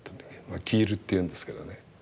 キールっていうんですけどね。